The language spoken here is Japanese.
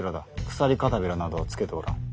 鎖かたびらなどはつけておらん。